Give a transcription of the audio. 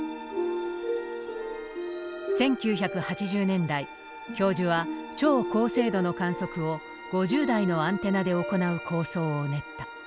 １９８０年代教授は超高精度の観測を５０台のアンテナで行う構想を練った。